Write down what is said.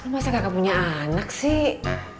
masa kakak punya anak sih